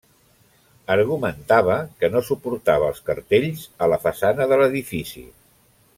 Argumentava que no suportava els cartells a la façana de l'edifici.